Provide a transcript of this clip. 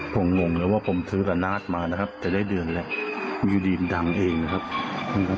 ผมงงเลยว่าผมซื้อละนาดมานะครับแต่ได้เดือนแหละมีดินดังเองนะครับ